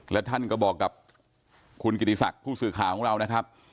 และท่านก็บอกกับคุณกิติศักดิ์ผู้สื่อข่าวของเรานะครับ